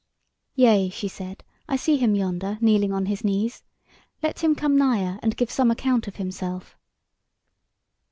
"Yea," she said, "I see him yonder, kneeling on his knees; let him come nigher and give some account of himself."